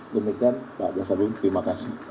demikian pak jaksa agung terima kasih